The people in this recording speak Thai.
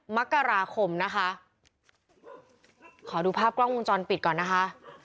มกราคมนะคะขอดูภาพกล้องวงจรปิดก่อนนะคะ